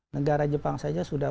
negara jepang saja sudah